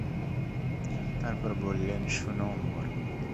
তারপর বললেন, শোন উমর!